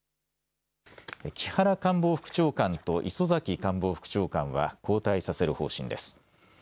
木原官房副長官と磯崎官房副長官は交代させる方針です。